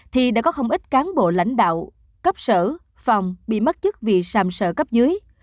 thì đã có không ít cán bộ lãnh đạo cấp sở phòng bị mất chức vì sàm sở cấp dưới